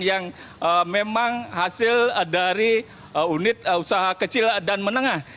yang memang hasil dari unit usaha kecil dan menengah